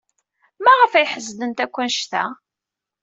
Maɣef ay ḥeznent akk anect-a?